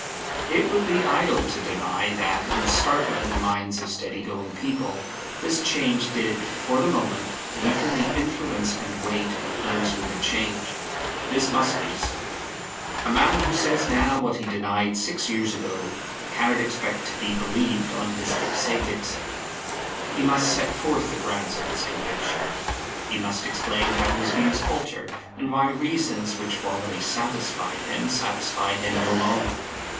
It would be idle to deny that, in startling the minds of steady going people, this change did, for the moment, weaken the influence and weight of those who had changed. This must be so. A man who says now what he denied six years ago cannot expect to be believed on his ipse dixit. He must set forth the grounds of his conviction. He must explain how his views altered, and why reasons which formerly satisfied him satisfy him no longer.